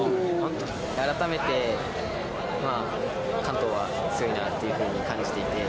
改めて関東は強いなっていうふうに感じていて。